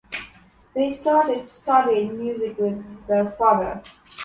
They started studying music with their father.